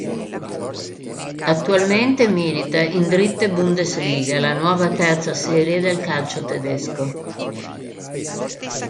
Attualmente milita in Dritte Bundesliga, la nuova terza serie del calcio tedesco.